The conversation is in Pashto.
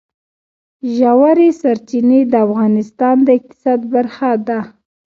ژورې سرچینې د افغانستان د اقتصاد برخه ده.